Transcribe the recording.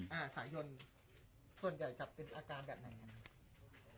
ส่วนใหญ่จะเป็นอาการแบบไหน